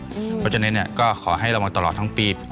เพราะฉะนั้นเนี่ยก็ขอให้ระวังตลอดทั้งปี